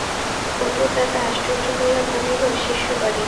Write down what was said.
পটুর দাদা আশ্চর্য হইয়া বলিল, শিষ্য-বাড়ি?